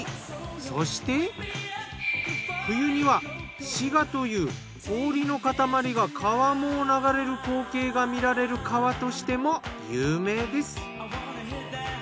そして冬には氷花という氷の塊が川面を流れる光景が見られる川としても有名です。